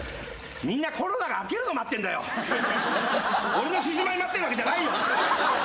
俺の獅子舞待ってるわけじゃないよ。